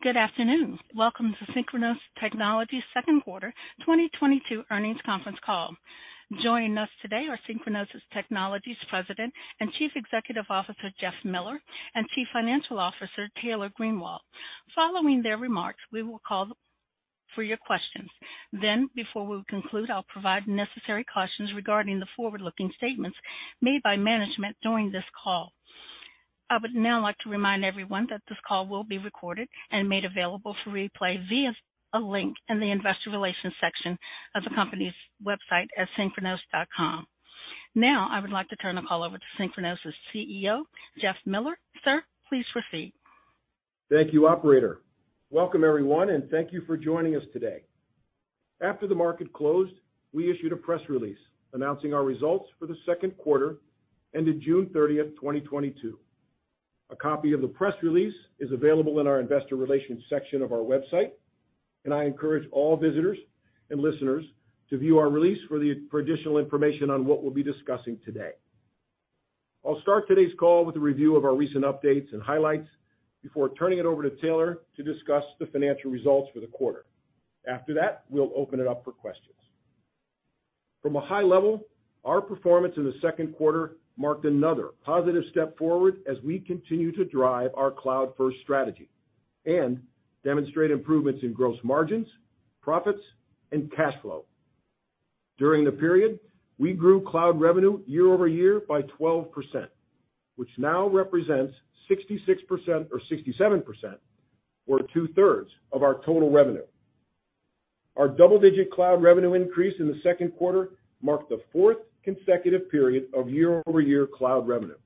Good afternoon. Welcome to Synchronoss Technologies' Second Quarter 2022 Earnings Conference Call. Joining us today are Synchronoss Technologies President and Chief Executive Officer, Jeff Miller, and Chief Financial Officer, Taylor Greenwald. Following their remarks, we will call for your questions. Then, before we conclude, I'll provide necessary cautions regarding the forward-looking statements made by management during this call. I would now like to remind everyone that this call will be recorded and made available for replay via a link in the investor relations section of the company's website at synchronoss.com. Now I would like to turn the call over to Synchronoss' CEO, Jeff Miller. Sir, please proceed. Thank you, operator. Welcome everyone and thank you for joining us today. After the market closed, we issued a press release announcing our results for the second quarter ended June 30th, 2022. A copy of the press release is available in our investor relations section of our website, and I encourage all visitors and listeners to view our release for additional information on what we'll be discussing today. I'll start today's call with a review of our recent updates and highlights before turning it over to Taylor to discuss the financial results for the quarter. After that, we'll open it up for questions. From a high level, our performance in the second quarter marked another positive step forward as we continue to drive our cloud-first strategy and demonstrate improvements in gross margins, profits, and cash flow. During the period, we grew cloud revenue year-over-year by 12%, which now represents 66% or 67% or 2/3 of our total revenue. Our double-digit cloud revenue increase in the second quarter marked the fourth consecutive period of year-over-year cloud revenue.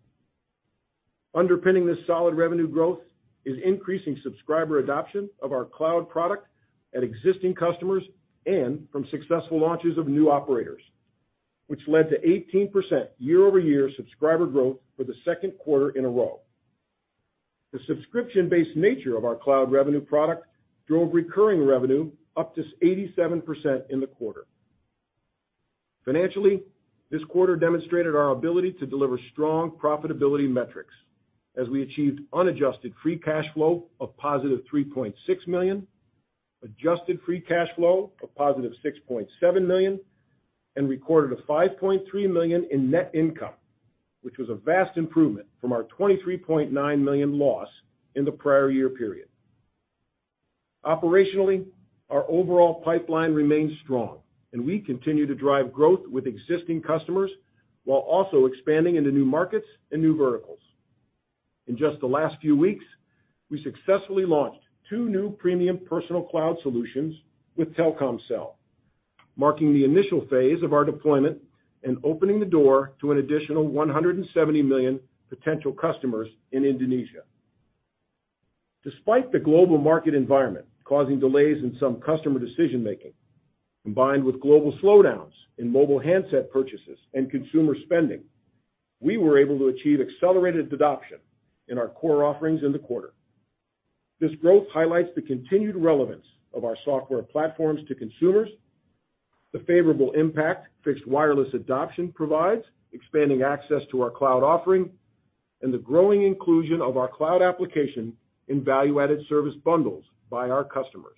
Underpinning this solid revenue growth is increasing subscriber adoption of our cloud product at existing customers and from successful launches of new operators, which led to 18% year-over-year subscriber growth for the second quarter in a row. The subscription-based nature of our cloud revenue product drove recurring revenue up to 87% in the quarter. Financially, this quarter demonstrated our ability to deliver strong profitability metrics as we achieved unadjusted free cash flow of positive $3.6 million, adjusted free cash flow of positive $6.7 million, and recorded $5.3 million in net income, which was a vast improvement from our $23.9 million loss in the prior year period. Operationally, our overall pipeline remains strong, and we continue to drive growth with existing customers while also expanding into new markets and new verticals. In just the last few weeks, we successfully launched two new premium personal cloud solutions with Telkomsel, marking the initial phase of our deployment and opening the door to an additional 170 million potential customers in Indonesia. Despite the global market environment causing delays in some customer decision-making, combined with global slowdowns in mobile handset purchases and consumer spending, we were able to achieve accelerated adoption in our core offerings in the quarter. This growth highlights the continued relevance of our software platforms to consumers, the favorable impact fixed wireless adoption provides expanding access to our cloud offering, and the growing inclusion of our cloud application in value-added service bundles by our customers.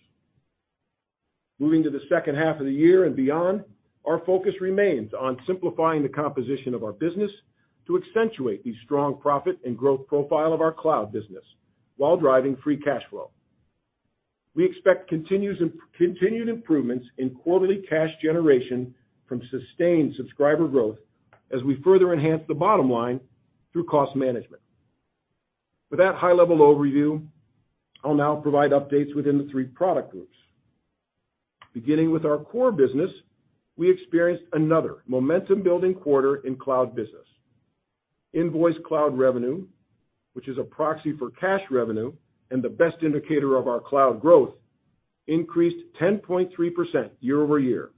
Moving to the H2 of the year and beyond, our focus remains on simplifying the composition of our business to accentuate the strong profit and growth profile of our cloud business while driving free cash flow. We expect continued improvements in quarterly cash generation from sustained subscriber growth as we further enhance the bottom line through cost management. With that high-level overview, I'll now provide updates within the three product groups. Beginning with our core business, we experienced another momentum-building quarter in cloud business. Invoiced Cloud revenue, which is a proxy for cash revenue and the best indicator of our cloud growth, increased 10.3% year-over-year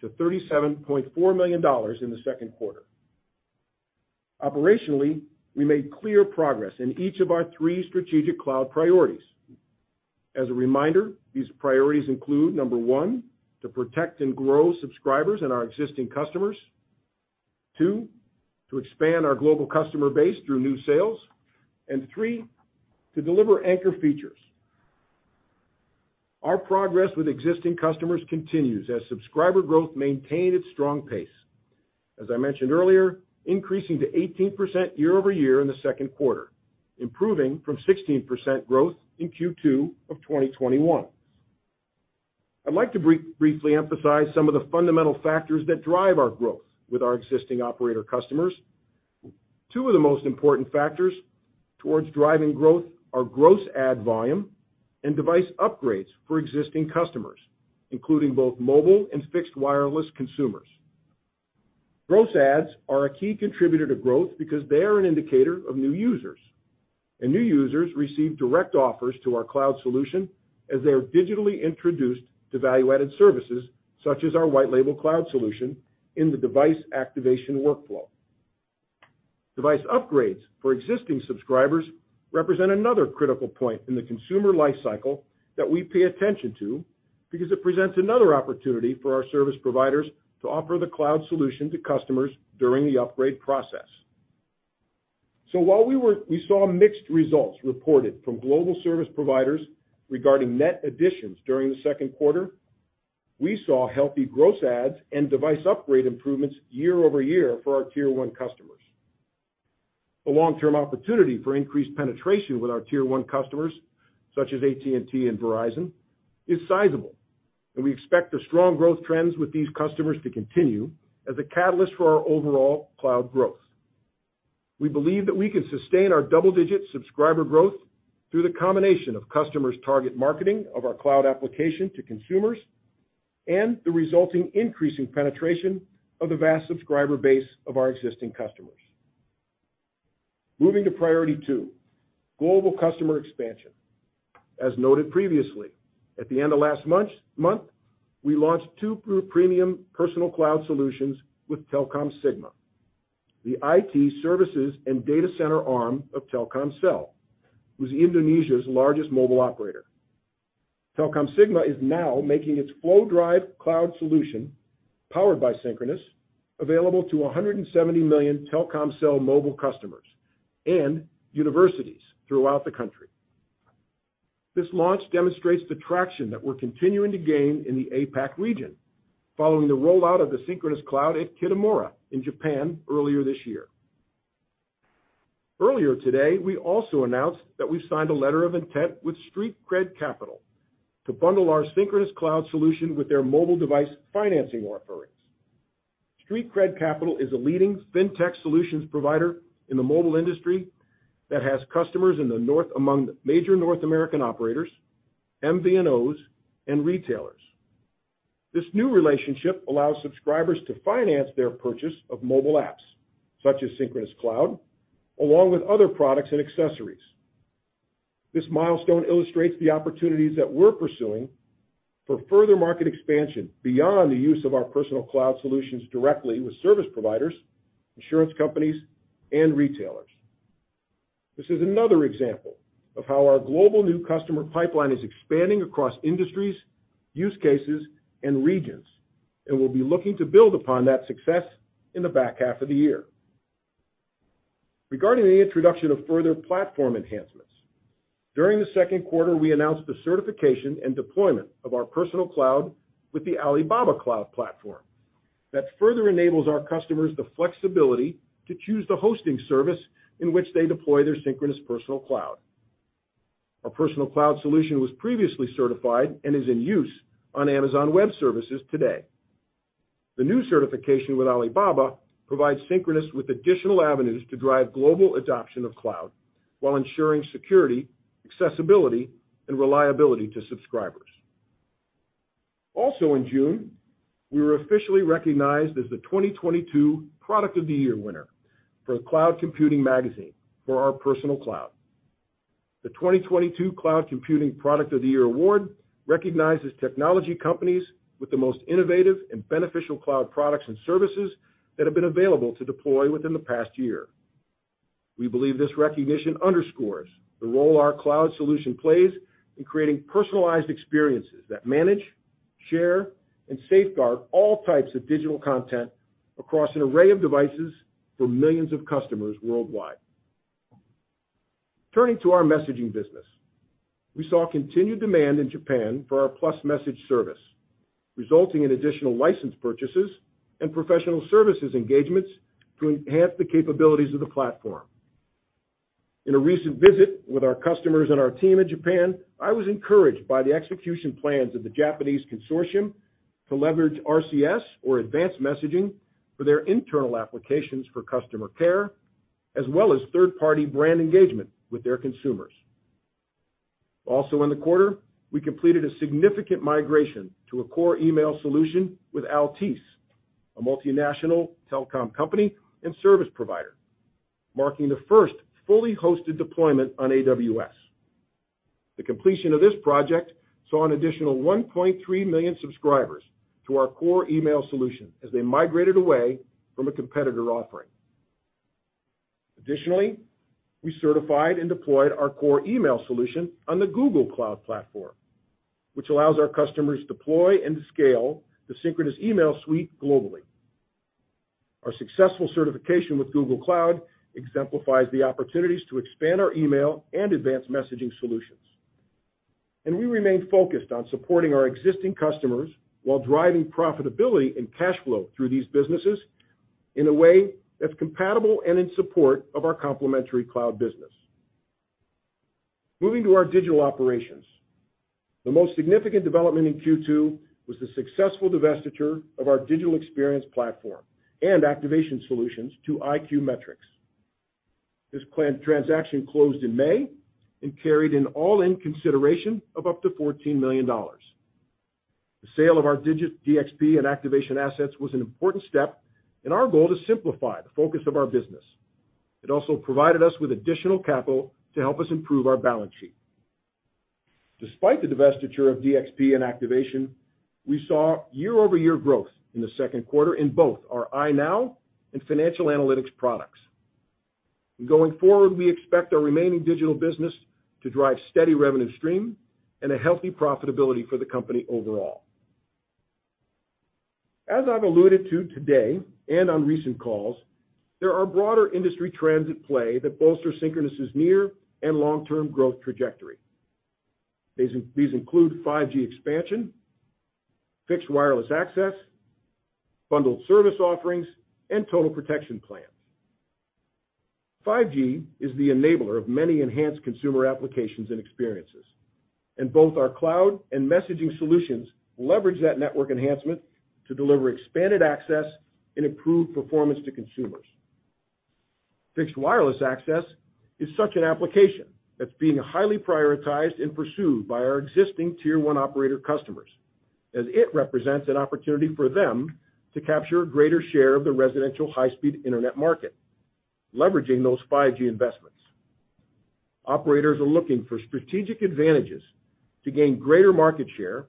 to $37.4 million in the second quarter. Operationally, we made clear progress in each of our three strategic cloud priorities. As a reminder, these priorities include number one, to protect and grow subscribers and our existing customers. Two, to expand our global customer base through new sales. Three, to deliver anchor features. Our progress with existing customers continues as subscriber growth maintained its strong pace. As I mentioned earlier, increasing to 18% year-over-year in the second quarter, improving from 16% growth in Q2 of 2021. I'd like to briefly emphasize some of the fundamental factors that drive our growth with our existing operator customers. Two of the most important factors towards driving growth are gross add volume and device upgrades for existing customers, including both mobile and fixed wireless consumers. Gross adds are a key contributor to growth because they are an indicator of new users, and new users receive direct offers to our cloud solution as they are digitally introduced to value-added services such as our white label cloud solution in the device activation workflow. Device upgrades for existing subscribers represent another critical point in the consumer lifecycle that we pay attention to. Because it presents another opportunity for our service providers to offer the cloud solution to customers during the upgrade process. While we saw mixed results reported from global service providers regarding net additions during the second quarter, we saw healthy gross adds and device upgrade improvements year-over-year for our tier one customers. The long-term opportunity for increased penetration with our tier one customers, such as AT&T and Verizon, is sizable, and we expect the strong growth trends with these customers to continue as a catalyst for our overall cloud growth. We believe that we can sustain our double-digit subscriber growth through the combination of customers' target marketing of our cloud application to consumers and the resulting increase in penetration of the vast subscriber base of our existing customers. Moving to priority two, global customer expansion. As noted previously, at the end of last month, we launched two premium personal cloud solutions with Telkomsigma, the IT services and data center arm of Telkomsel, who's Indonesia's largest mobile operator. Telkomsigma is now making its Floudrive Cloud solution, powered by Synchronoss, available to 170 million Telkomsel mobile customers and universities throughout the country. This launch demonstrates the traction that we're continuing to gain in the APAC region following the rollout of the Synchronoss Cloud at Kitamura in Japan earlier this year. Earlier today, we also announced that we've signed a letter of intent with Street Cred Capital to bundle our Synchronoss Cloud solution with their mobile device financing offerings. Street Cred Capital is a leading fintech solutions provider in the mobile industry that has customers among major North American operators, MVNOs, and retailers. This new relationship allows subscribers to finance their purchase of mobile apps, such as Synchronoss Cloud, along with other products and accessories. This milestone illustrates the opportunities that we're pursuing for further market expansion beyond the use of our Personal Cloud solutions directly with service providers, insurance companies, and retailers. This is another example of how our global new customer pipeline is expanding across industries, use cases, and regions, and we'll be looking to build upon that success in the back half of the year. Regarding the introduction of further platform enhancements, during the second quarter, we announced the certification and deployment of our Personal Cloud with the Alibaba Cloud platform that further enables our customers the flexibility to choose the hosting service in which they deploy their Synchronoss Personal Cloud. Our Personal Cloud solution was previously certified and is in use on Amazon Web Services today. The new certification with Alibaba provides Synchronoss with additional avenues to drive global adoption of cloud while ensuring security, accessibility, and reliability to subscribers. In June, we were officially recognized as the 2022 Product of the Year winner for Cloud Computing Magazine for our Personal Cloud. The 2022 Cloud Computing Product of the Year Award recognizes technology companies with the most innovative and beneficial cloud products and services that have been available to deploy within the past year. We believe this recognition underscores the role our cloud solution plays in creating personalized experiences that manage, share, and safeguard all types of digital content across an array of devices for millions of customers worldwide. Turning to our messaging business. We saw continued demand in Japan for our Plus Message service, resulting in additional license purchases and professional services engagements to enhance the capabilities of the platform. In a recent visit with our customers and our team in Japan, I was encouraged by the execution plans of the Japanese consortium to leverage RCS or advanced messaging for their internal applications for customer care, as well as third-party brand engagement with their consumers. Also in the quarter, we completed a significant migration to a core email solution with Altice, a multinational telecom company and service provider, marking the first fully hosted deployment on AWS. The completion of this project saw an additional 1.3 million subscribers to our core email solution as they migrated away from a competitor offering. Additionally, we certified and deployed our core email solution on the Google Cloud platform, which allows our customers deploy and scale the Synchronoss Email Suite globally. Our successful certification with Google Cloud exemplifies the opportunities to expand our email and advanced messaging solutions, and we remain focused on supporting our existing customers while driving profitability and cash flow through these businesses in a way that's compatible and in support of our complementary cloud business. Moving to our digital operations. The most significant development in Q2 was the successful divestiture of our Digital Experience Platform and Activation solutions to iQmetrix. This planned transaction closed in May and carried an all-in consideration of up to $14 million. The sale of our DXP and Activation assets was an important step in our goal to simplify the focus of our business. It also provided us with additional capital to help us improve our balance sheet. Despite the divestiture of DXP and Activation, we saw year-over-year growth in the second quarter in both our iNOW and Financial Analytics products. Going forward, we expect our remaining digital business to drive steady revenue stream and a healthy profitability for the company overall. As I've alluded to today and on recent calls, there are broader industry trends at play that bolster Synchronoss' near and long-term growth trajectory. These include 5G expansion, fixed wireless access, bundled service offerings, and total protection plans. 5G is the enabler of many enhanced consumer applications and experiences, and both our cloud and messaging solutions leverage that network enhancement to deliver expanded access and improved performance to consumers. Fixed wireless access is such an application that's being highly prioritized and pursued by our existing tier one operator customers, as it represents an opportunity for them to capture a greater share of the residential high-speed internet market, leveraging those 5G investments. Operators are looking for strategic advantages to gain greater market share,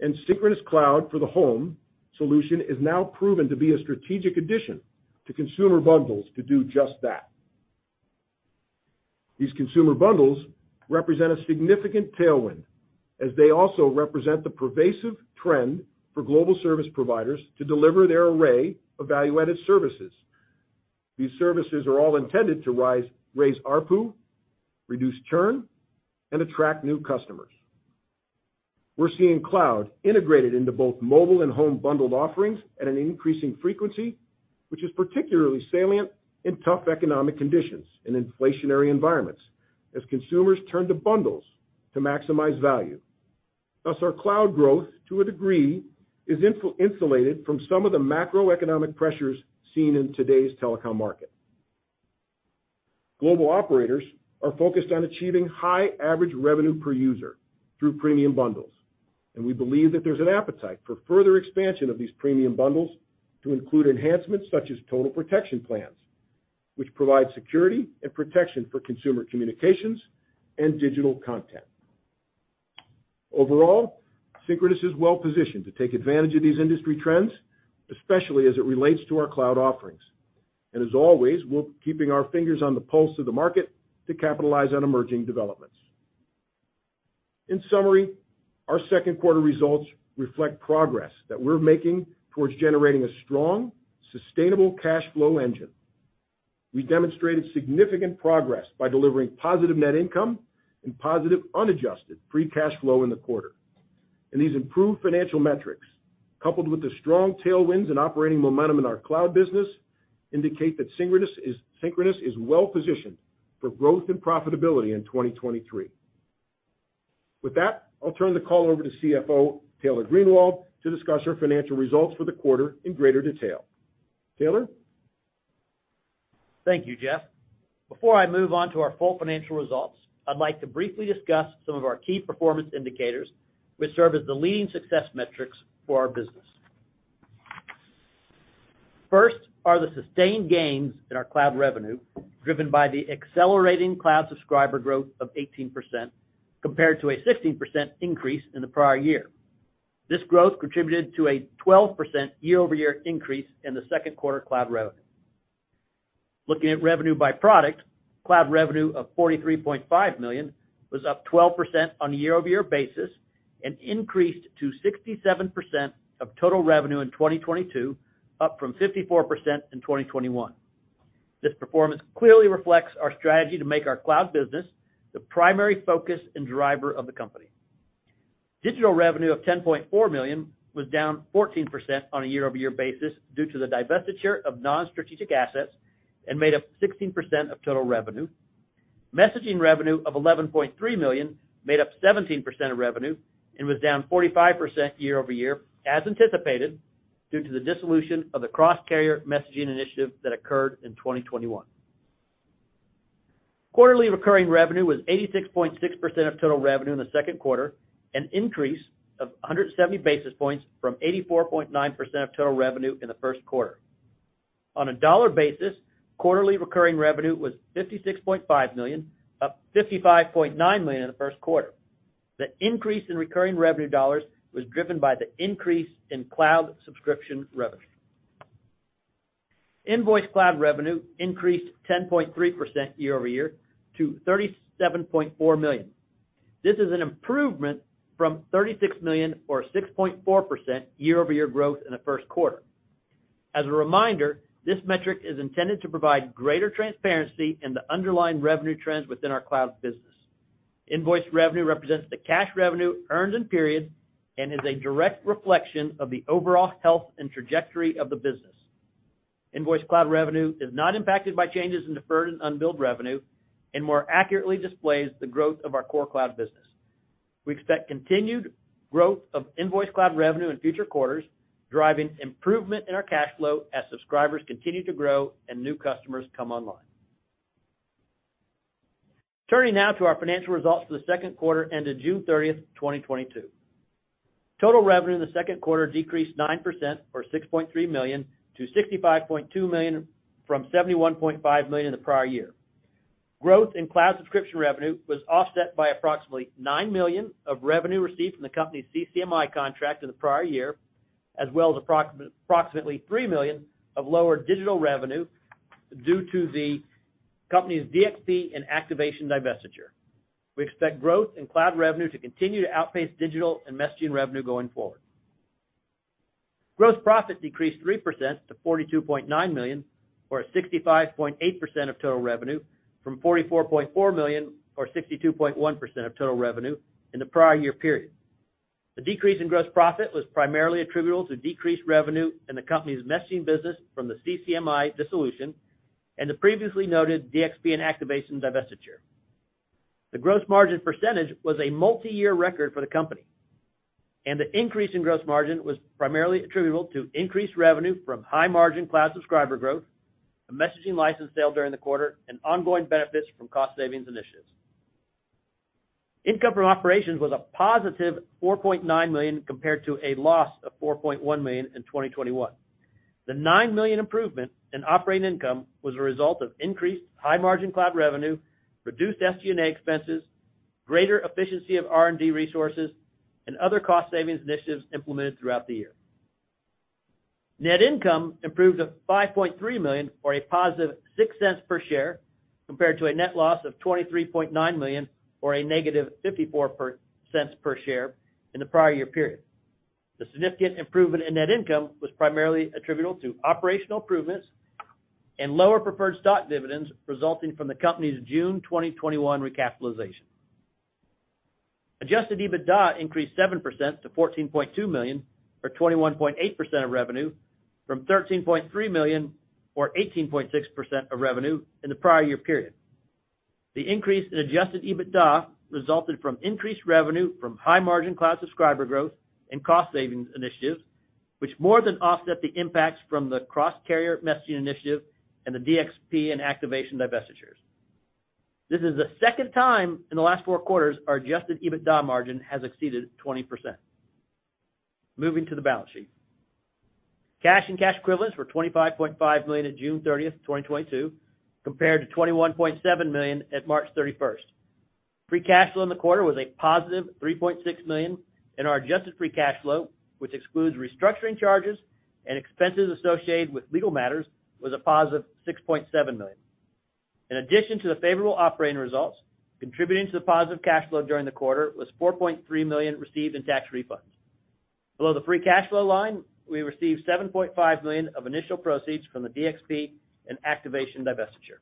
and Synchronoss Cloud for the Home solution is now proven to be a strategic addition to consumer bundles to do just that. These consumer bundles represent a significant tailwind as they also represent the pervasive trend for global service providers to deliver their array of value-added services. These services are all intended to raise ARPU, reduce churn, and attract new customers. We're seeing cloud integrated into both mobile and home bundled offerings at an increasing frequency, which is particularly salient in tough economic conditions in inflationary environments as consumers turn to bundles to maximize value. Thus, our cloud growth, to a degree, is insulated from some of the macroeconomic pressures seen in today's telecom market. Global operators are focused on achieving high average revenue per user through premium bundles, and we believe that there's an appetite for further expansion of these premium bundles to include enhancements such as total protection plans, which provide security and protection for consumer communications and digital content. Overall, Synchronoss is well-positioned to take advantage of these industry trends, especially as it relates to our cloud offerings. As always, we're keeping our fingers on the pulse of the market to capitalize on emerging developments. In summary, our second quarter results reflect progress that we're making towards generating a strong, sustainable cash flow engine. We demonstrated significant progress by delivering positive net income and positive unadjusted free cash flow in the quarter. These improved financial metrics, coupled with the strong tailwinds and operating momentum in our cloud business, indicate that Synchronoss is well-positioned for growth and profitability in 2023. With that, I'll turn the call over to CFO Taylor Greenwald to discuss our financial results for the quarter in greater detail. Taylor? Thank you Jeff. Before I move on to our full financial results, I'd like to briefly discuss some of our key performance indicators, which serve as the leading success metrics for our business. First are the sustained gains in our cloud revenue, driven by the accelerating cloud subscriber growth of 18%, compared to a 16% increase in the prior year. This growth contributed to a 12% year-over-year increase in the second quarter cloud revenue. Looking at revenue by product, cloud revenue of $43.5 million was up 12% on a year-over-year basis and increased to 67% of total revenue in 2022, up from 54% in 2021. This performance clearly reflects our strategy to make our cloud business the primary focus and driver of the company. Digital revenue of $10.4 million was down 14% on a year-over-year basis due to the divestiture of non-strategic assets and made up 16% of total revenue. Messaging revenue of $11.3 million made up 17% of revenue and was down 45% year-over-year, as anticipated, due to the dissolution of the cross-carrier messaging initiative that occurred in 2021. Quarterly recurring revenue was 86.6% of total revenue in the second quarter, an increase of 170 basis points from 84.9% of total revenue in the first quarter. On a dollar basis, quarterly recurring revenue was $56.5 million, up $55.9 million in the first quarter. The increase in recurring revenue dollars was driven by the increase in cloud subscription revenue. Invoiced Cloud revenue increased 10.3% year-over-year to $37.4 million. This is an improvement from $36 million or 6.4% year-over-year growth in the first quarter. As a reminder, this metric is intended to provide greater transparency in the underlying revenue trends within our cloud business. Invoiced Cloud revenue represents the cash revenue earned in periods and is a direct reflection of the overall health and trajectory of the business. Invoiced Cloud revenue is not impacted by changes in deferred and unbilled revenue and more accurately displays the growth of our core cloud business. We expect continued growth of Invoiced Cloud revenue in future quarters, driving improvement in our cash flow as subscribers continue to grow and new customers come online. Turning now to our financial results for the second quarter ended June 30th, 2022. Total revenue in the second quarter decreased 9% or $6.3 million-$65.2 million from $71.5 million in the prior year. Growth in cloud subscription revenue was offset by approximately $9 million of revenue received from the company's CCMI contract in the prior year, as well as approximately $3 million of lower digital revenue due to the company's DXP and activation divestiture. We expect growth in cloud revenue to continue to outpace digital and messaging revenue going forward. Gross profit decreased 3% to $42.9 million, or 65.8% of total revenue, from $44.4 million, or 62.1% of total revenue in the prior year period. The decrease in gross profit was primarily attributable to decreased revenue in the company's messaging business from the CCMI dissolution and the previously noted DXP and activation divestiture. The gross margin percentage was a multi-year record for the company, and the increase in gross margin was primarily attributable to increased revenue from high-margin cloud subscriber growth, the messaging license sale during the quarter, and ongoing benefits from cost savings initiatives. Income from operations was a positive $4.9 million compared to a loss of $4.1 million in 2021. The $9 million improvement in operating income was a result of increased high-margin cloud revenue, reduced SG&A expenses, greater efficiency of R&D resources, and other cost savings initiatives implemented throughout the year. Net income improved to $5.3 million or a positive $0.06 per share, compared to a net loss of $23.9 million or a -$0.54 per share in the prior year period. The significant improvement in net income was primarily attributable to operational improvements and lower preferred stock dividends resulting from the company's June 2021 recapitalization. Adjusted EBITDA increased 7% to $14.2 million, or 21.8% of revenue, from $13.3 million, or 18.6% of revenue in the prior year period. The increase in Adjusted EBITDA resulted from increased revenue from high-margin cloud subscriber growth and cost savings initiatives, which more than offset the impacts from the cross-carrier messaging initiative and the DXP and activation divestitures. This is the second time in the last four quarters our Adjusted EBITDA margin has exceeded 20%. Moving to the balance sheet. Cash and cash equivalents were $25.5 million at June 30th, 2022, compared to $21.7 million at March 31st. Free cash flow in the quarter was $3.6 million, and our adjusted free cash flow, which excludes restructuring charges and expenses associated with legal matters, was $6.7 million. In addition to the favorable operating results, contributing to the positive cash flow during the quarter was $4.3 million received in tax refunds. Below the free cash flow line, we received $7.5 million of initial proceeds from the DXP and activation divestiture.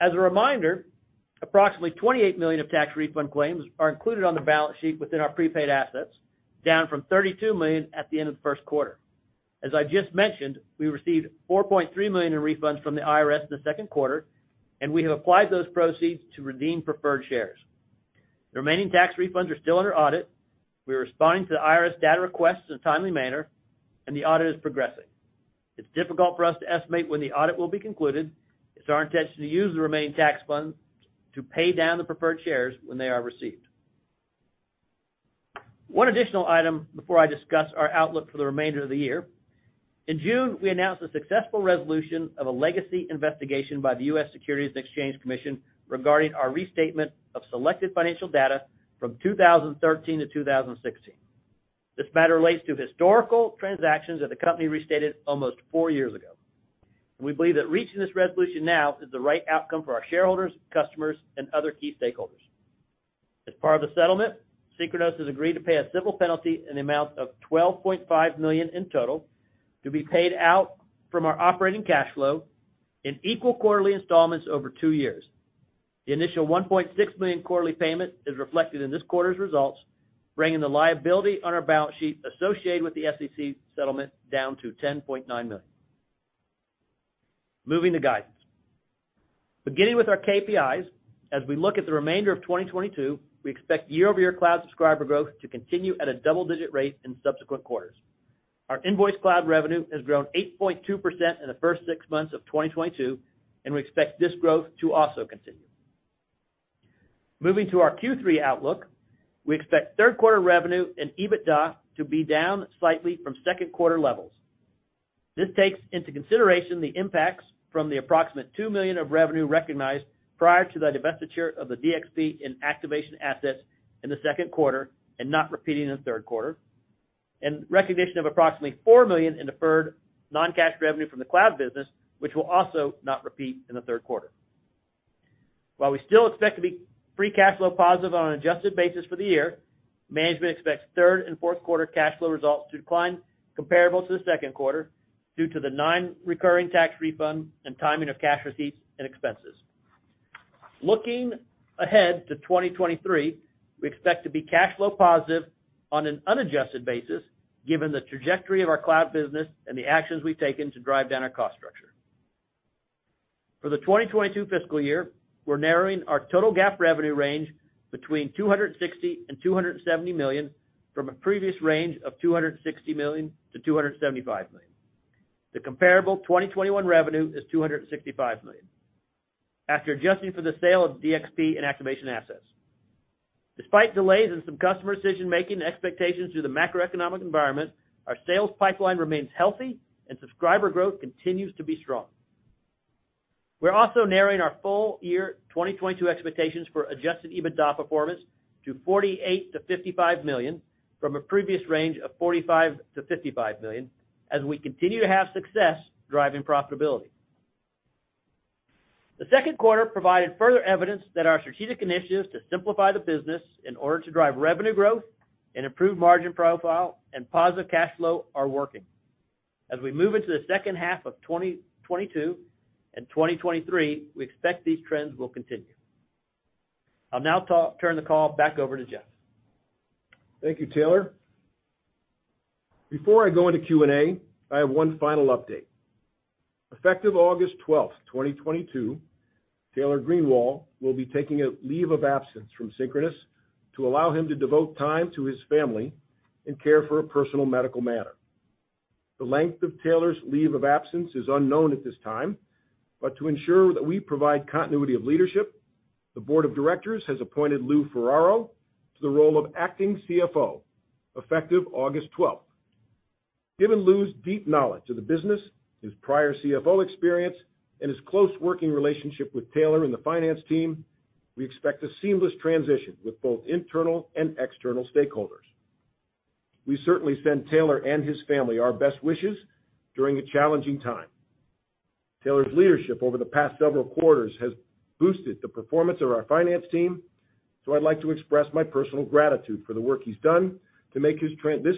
As a reminder, approximately $28 million of tax refund claims are included on the balance sheet within our prepaid assets, down from $32 million at the end of the first quarter. As I just mentioned, we received $4.3 million in refunds from the IRS in the second quarter, and we have applied those proceeds to redeem preferred shares. The remaining tax refunds are still under audit. We are responding to the IRS data requests in a timely manner, and the audit is progressing. It's difficult for us to estimate when the audit will be concluded. It's our intention to use the remaining tax funds to pay down the preferred shares when they are received. One additional item before I discuss our outlook for the remainder of the year. In June, we announced the successful resolution of a legacy investigation by the U.S. Securities and Exchange Commission regarding our restatement of selected financial data from 2013-2016. This matter relates to historical transactions that the company restated almost four years ago. We believe that reaching this resolution now is the right outcome for our shareholders, customers, and other key stakeholders. As part of the settlement, Synchronoss has agreed to pay a civil penalty in the amount of $12.5 million in total to be paid out from our operating cash flow in equal quarterly installments over two years. The initial $1.6 million quarterly payment is reflected in this quarter's results, bringing the liability on our balance sheet associated with the SEC settlement down to $10.9 million. Moving to guidance. Beginning with our KPIs, as we look at the remainder of 2022, we expect year-over-year cloud subscriber growth to continue at a double-digit rate in subsequent quarters. Our Invoiced Cloud revenue has grown 8.2% in the first six months of 2022, and we expect this growth to also continue. Moving to our Q3 outlook, we expect third quarter revenue and EBITDA to be down slightly from second quarter levels. This takes into consideration the impacts from the approximate $2 million of revenue recognized prior to the divestiture of the DXP and activation assets in the second quarter and not repeating in the third quarter, and recognition of approximately $4 million in deferred non-cash revenue from the cloud business, which will also not repeat in the third quarter. While we still expect to be free cash flow positive on an adjusted basis for the year, management expects third and fourth quarter cash flow results to decline comparable to the second quarter due to the non-recurring tax refund and timing of cash receipts and expenses. Looking ahead to 2023, we expect to be cash flow positive on an unadjusted basis given the trajectory of our cloud business and the actions we've taken to drive down our cost structure. For the 2022 fiscal year, we're narrowing our total GAAP revenue range between $260 million and $270 million from a previous range of $260 million-$275 million. The comparable 2021 revenue is $265 million after adjusting for the sale of DXP and activation assets. Despite delays in some customer decision-making expectations through the macroeconomic environment, our sales pipeline remains healthy and subscriber growth continues to be strong. We're also narrowing our full year 2022 expectations for Adjusted EBITDA performance to $48-$55 million from a previous range of $45-$55 million as we continue to have success driving profitability. The second quarter provided further evidence that our strategic initiatives to simplify the business in order to drive revenue growth and improve margin profile and positive cash flow are working. As we move into the H2 of 2022 and 2023, we expect these trends will continue. I'll now turn the call back over to Jeff. Thank you Taylor. Before I go into Q&A, I have one final update. Effective August 12th, 2022, Taylor Greenwald will be taking a leave of absence from Synchronoss to allow him to devote time to his family and care for a personal medical matter. The length of Taylor's leave of absence is unknown at this time, but to ensure that we provide continuity of leadership, the board of directors has appointed Lou Ferraro to the role of acting CFO, effective August 12. Given Lou's deep knowledge of the business, his prior CFO experience, and his close working relationship with Taylor and the finance team, we expect a seamless transition with both internal and external stakeholders. We certainly send Taylor and his family our best wishes during a challenging time. Taylor's leadership over the past several quarters has boosted the performance of our finance team, so I'd like to express my personal gratitude for the work he's done to make this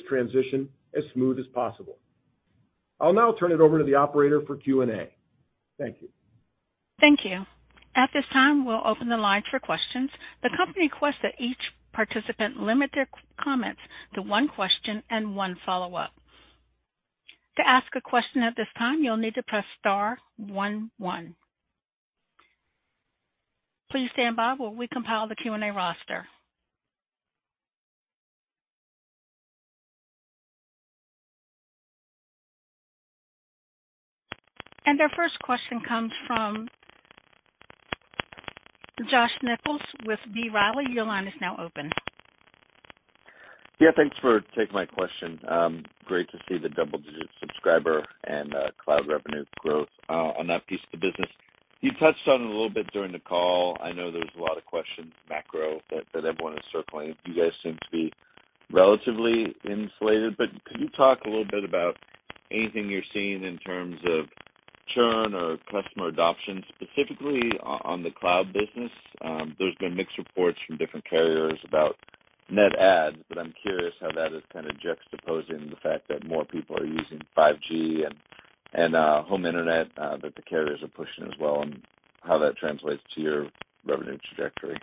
transition as smooth as possible. I'll now turn it over to the operator for Q&A. Thank you. Thank you. At this time, we'll open the line for questions. The company requests that each participant limit their comments to one question and one follow-up. To ask a question at this time, you'll need to press star one one. Please stand by while we compile the Q&A roster. Our first question comes from Josh Nichols with B. Riley. Your line is now open. Yeah, thanks for taking my question. Great to see the double-digit subscriber and cloud revenue growth on that piece of the business. You touched on it a little bit during the call. I know there's a lot of macro questions that everyone is circling. You guys seem to be relatively insulated. Could you talk a little bit about anything you're seeing in terms of churn or customer adoption, specifically on the cloud business? There's been mixed reports from different carriers about net adds, but I'm curious how that is kinda juxtaposing the fact that more people are using 5G and home internet that the carriers are pushing as well and how that translates to your revenue trajectory.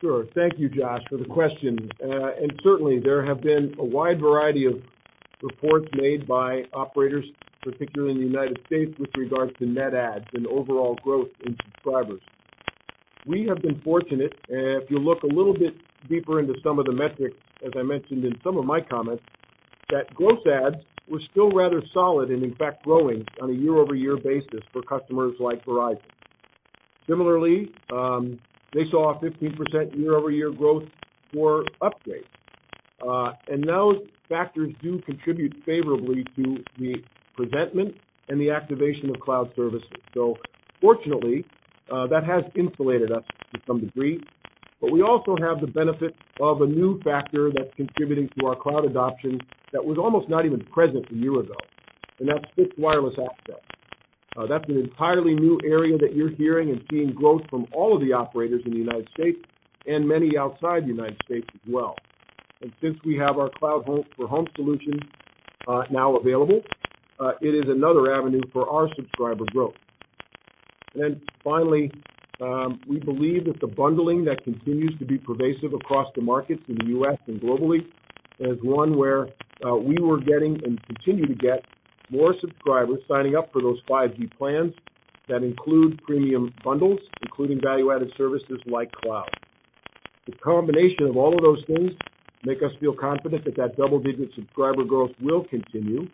Sure. Thank you Josh for the question. Certainly there have been a wide variety of reports made by operators, particularly in the United States, with regards to net adds and overall growth in subscribers. We have been fortunate, if you look a little bit deeper into some of the metrics, as I mentioned in some of my comments, that gross adds were still rather solid and in fact growing on a year-over-year basis for customers like Verizon. Similarly, they saw a 15% year-over-year growth for upgrades. Those factors do contribute favorably to the presentment and the activation of cloud services. Fortunately, that has insulated us to some degree. We also have the benefit of a new factor that's contributing to our cloud adoption that was almost not even present a year ago, and that's fixed wireless access. That's an entirely new area that you're hearing and seeing growth from all of the operators in the United States and many outside the United States as well. Since we have our cloud for home solution now available, it is another avenue for our subscriber growth. Finally, we believe that the bundling that continues to be pervasive across the markets in the U.S. and globally is one where we were getting and continue to get more subscribers signing up for those 5G plans that include premium bundles, including value-added services like cloud. The combination of all of those things make us feel confident that that double-digit subscriber growth will continue,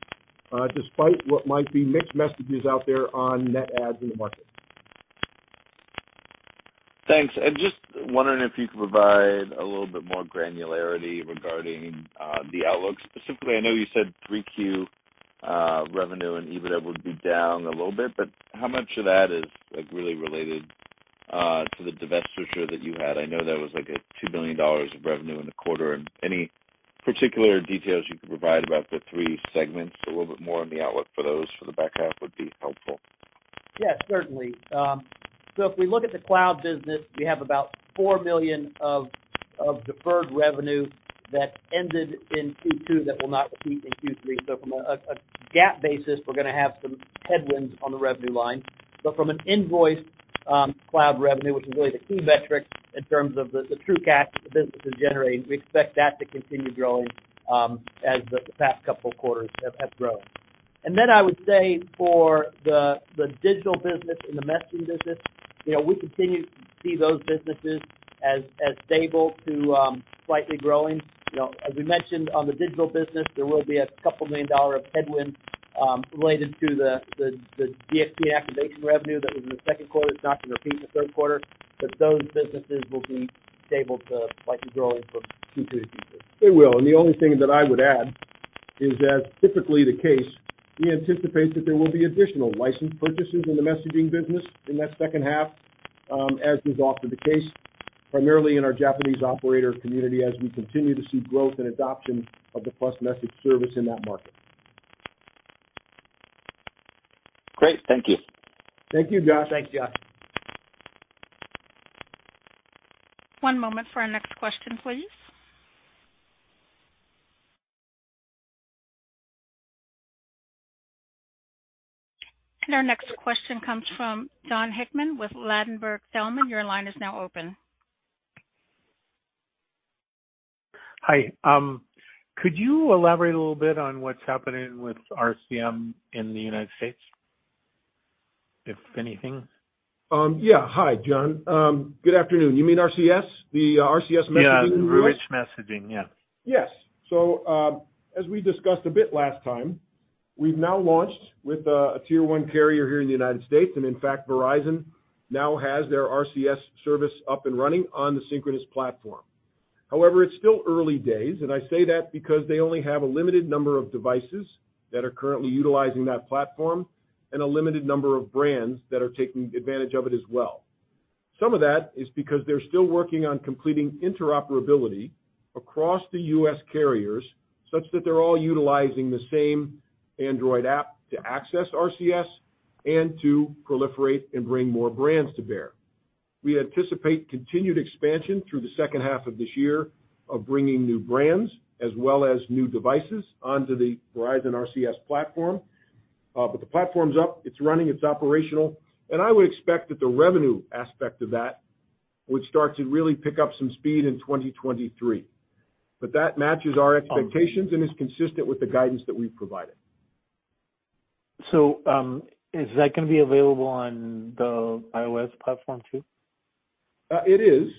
despite what might be mixed messages out there on net adds in the market. Thanks. Just wondering if you could provide a little bit more granularity regarding the outlooks. Specifically, I know you said 3Q revenue and EBITDA would be down a little bit, but how much of that is, like, really related to the divestiture that you had? I know that was like a $2 billion of revenue in the quarter. Any particular details you could provide about the three segments, a little bit more on the outlook for those for the back half would be helpful. Yeah, certainly. If we look at the cloud business, we have about $4 million of deferred revenue that ended in Q2 that will not repeat in Q3. From a GAAP basis, we're gonna have some headwinds on the revenue line. From an invoiced cloud revenue, which is really the key metric in terms of the true cash the business is generating, we expect that to continue growing as the past couple of quarters have grown. Then I would say for the digital business and the messaging business, you know, we continue to see those businesses as stable to slightly growing. You know, as we mentioned on the digital business, there will be a couple million dollars of headwind related to the DXP activation revenue that was in the second quarter. It's not gonna repeat in the third quarter, but those businesses will be stable to slightly growing for Q3-Q4. They will. The only thing that I would add is that typically the case, we anticipate that there will be additional license purchases in the messaging business in that H2, as is often the case, primarily in our Japanese operator community as we continue to see growth and adoption of the Plus Message service in that market. Great. Thank you. Thank you Josh. Thanks Josh. One moment for our next question, please. Our next question comes from Jon Hickman with Ladenburg Thalmann. Your line is now open. Hi. Could you elaborate a little bit on what's happening with RCS in the United States, if anything? Yeah. Hi, John. Good afternoon. You mean RCS? The RCS messaging. Yeah. The rich messaging, yeah. Yes. As we discussed a bit last time, we've now launched with a tier-one carrier here in the United States, and in fact Verizon now has their RCS service up and running on the Synchronoss platform. However, it's still early days and I say that because they only have a limited number of devices that are currently utilizing that platform and a limited number of brands that are taking advantage of it as well. Some of that is because they're still working on completing interoperability across the U.S. carriers such that they're all utilizing the same Android app to access RCS and to proliferate and bring more brands to bear. We anticipate continued expansion through the H2 of this year of bringing new brands as well as new devices onto the Verizon RCS platform. The platform's up, it's running, it's operational. I would expect that the revenue aspect of that would start to really pick up some speed in 2023. That matches our expectations and is consistent with the guidance that we've provided. is that gonna be available on the iOS platform too? It is.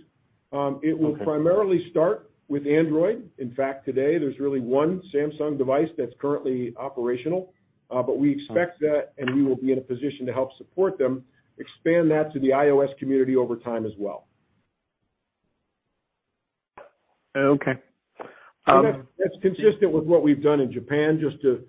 It will primarily start with Android. In fact, today, there's really one Samsung device that's currently operational but we expect that and we will be in a position to help support them, expand that to the iOS community over time as well. Okay. That's consistent with what we've done in Japan, just to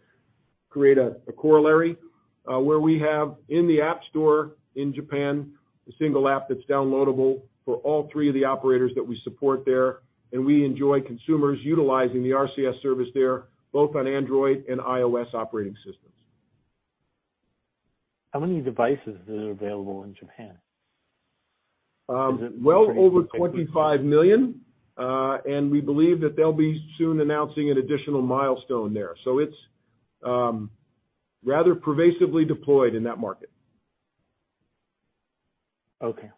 create a corollary, where we have in the App Store in Japan a single app that's downloadable for all three of the operators that we support there, and we enjoy consumers utilizing the RCS service there, both on Android and iOS operating systems. How many devices are available in Japan? Well over 25 million, and we believe that they'll be soon announcing an additional milestone there. It's rather pervasively deployed in that market. Okay.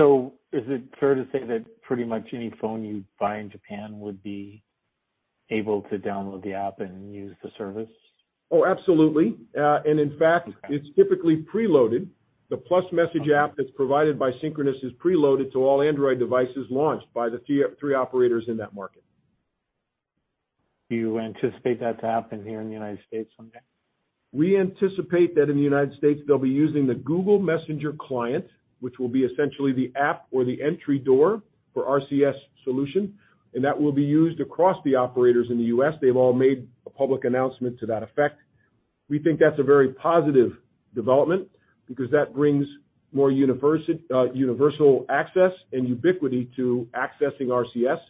Is it fair to say that pretty much any phone you buy in Japan would be able to download the app and use the service? Oh, absolutely. Okay. It's typically preloaded. The Plus Message app that's provided by Synchronoss is preloaded to all Android devices launched by the three operators in that market. Do you anticipate that to happen here in the United States someday? We anticipate that in the United States, they'll be using the Google Messages client which will be essentially the app or the entry door for RCS solution, and that will be used across the operators in the US. They've all made a public announcement to that effect. We think that's a very positive development because that brings more universal access and ubiquity to accessing RCS,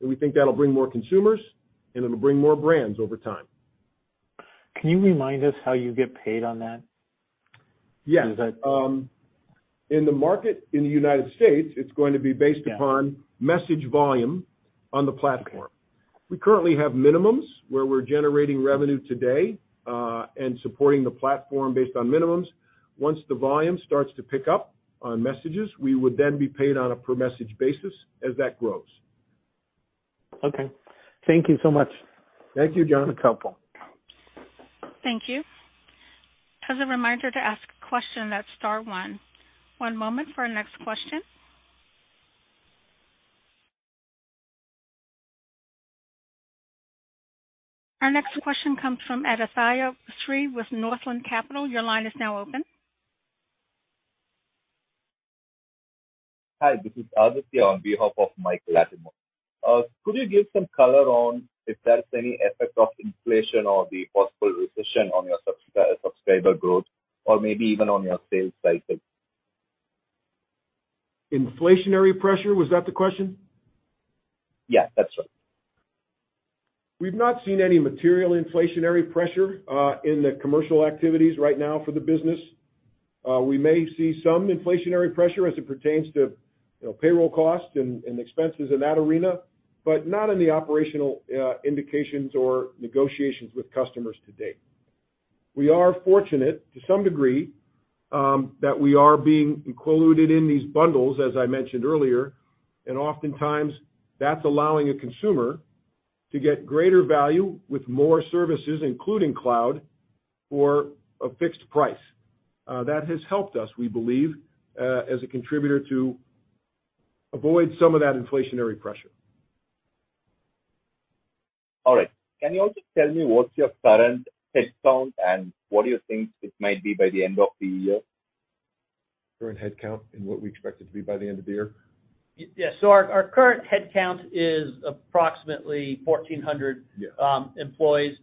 and we think that'll bring more consumers, and it'll bring more brands over time. Can you remind us how you get paid on that? Yes. Is that. In the market in the United States, it's going to be based upon. Yeah. Message volume on the platform. Okay. We currently have minimums where we're generating revenue today, and supporting the platform based on minimums. Once the volume starts to pick up on messages, we would then be paid on a per message basis as that grows. Okay. Thank you so much. Thank you John. It's helpful. Thank you. As a reminder to ask a question, that's star one. One moment for our next question. Our next question comes from Adithya Sri with Northland Capital. Your line is now open. Hi, this is Adithya on behalf of Mike Latimore. Could you give some color on if there's any effect of inflation or the possible recession on your subscriber growth or maybe even on your sales cycles? Inflationary pressure, was that the question? Yes, that's right. We've not seen any material inflationary pressure in the commercial activities right now for the business. We may see some inflationary pressure as it pertains to, you know, payroll costs and expenses in that arena, but not in the operational indications or negotiations with customers to date. We are fortunate to some degree that we are being included in these bundles, as I mentioned earlier, and oftentimes that's allowing a consumer to get greater value with more services, including cloud, for a fixed price. That has helped us, we believe, as a contributor to avoid some of that inflationary pressure. All right. Can you also tell me what's your current headcount and what do you think it might be by the end of the year? Current headcount and what we expect it to be by the end of the year? Yes. Our current headcount is approximately 1,400. Yeah. Employees.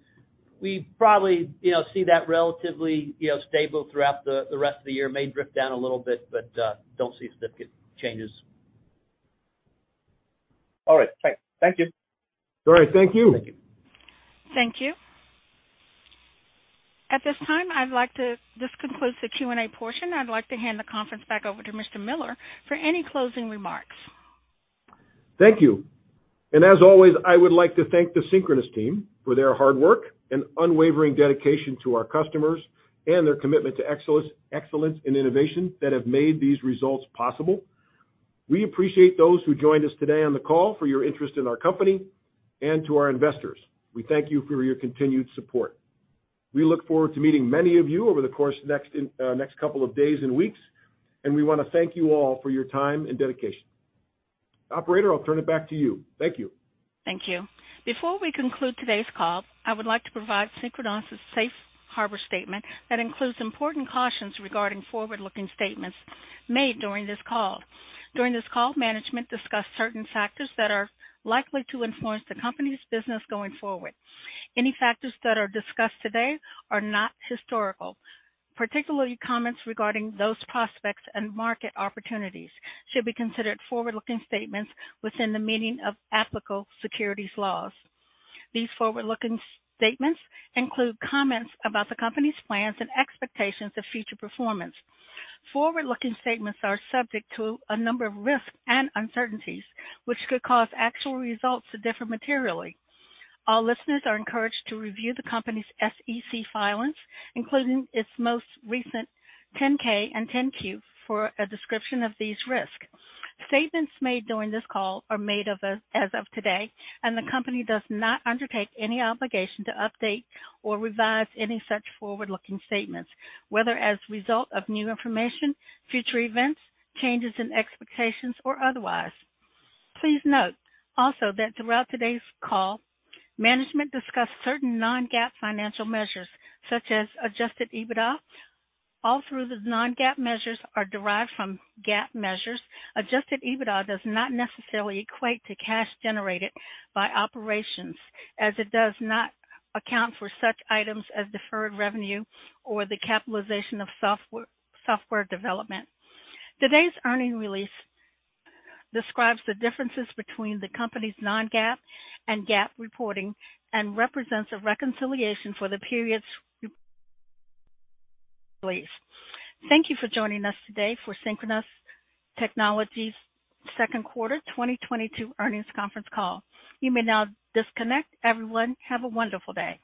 We probably, you know, see that relatively, you know, stable throughout the rest of the year. May drift down a little bit, but don't see significant changes. All right. Thank you. All right. Thank you. Thank you. Thank you. At this time, this concludes the Q&A portion. I'd like to hand the conference back over to Mr. Miller for any closing remarks. Thank you. As always, I would like to thank the Synchronoss team for their hard work and unwavering dedication to our customers and their commitment to excellence and innovation that have made these results possible. We appreciate those who joined us today on the call for your interest in our company. To our investors, we thank you for your continued support. We look forward to meeting many of you over the course of next couple of days and weeks, and we wanna thank you all for your time and dedication. Operator, I'll turn it back to you. Thank you. Thank you. Before we conclude today's call, I would like to provide Synchronoss' safe harbor statement that includes important cautions regarding forward-looking statements made during this call. During this call, management discussed certain factors that are likely to influence the company's business going forward. Any factors that are discussed today are not historical. Particularly comments regarding those prospects and market opportunities should be considered forward-looking statements within the meaning of applicable securities laws. These forward-looking statements include comments about the company's plans and expectations of future performance. Forward-looking statements are subject to a number of risks and uncertainties, which could cause actual results to differ materially. All listeners are encouraged to review the company's SEC filings, including its most recent 10-K and 10-Q for a description of these risks. Statements made during this call are made as of today, and the company does not undertake any obligation to update or revise any such forward-looking statements, whether as a result of new information, future events, changes in expectations, or otherwise. Please note also that throughout today's call, management discussed certain non-GAAP financial measures such as Adjusted EBITDA. All of the non-GAAP measures are derived from GAAP measures. Adjusted EBITDA does not necessarily equate to cash generated by operations, as it does not account for such items as deferred revenue or the capitalization of software development. Today's earnings release describes the differences between the company's non-GAAP and GAAP reporting and represents a reconciliation for the periods released. Thank you for joining us today for Synchronoss Technologies' second quarter 2022 earnings conference call. You may now disconnect. Everyone, have a wonderful day.